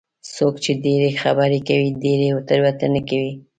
څوک چې ډېرې خبرې کوي، ډېرې تېروتنې کوي.